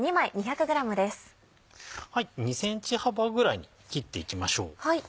２ｃｍ幅ぐらいに切っていきましょう。